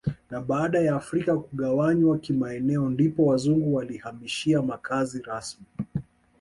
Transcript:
Na baada ya afrika kugawanywa kimaeneo ndipo wazungu walihamishia makazi rasmi